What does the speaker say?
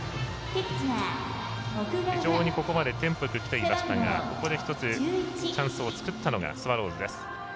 非常にここまでテンポよくきていましたがここで１つチャンスを作ったのがスワローズです。